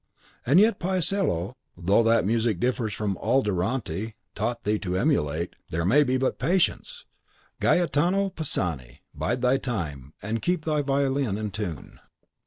And yet, Paisiello, though that music differs from all Durante taught thee to emulate, there may but patience, Gaetano Pisani! bide thy time, and keep thy violin in tune!